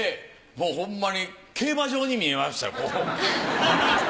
ホンマに競馬場に見えましたよ。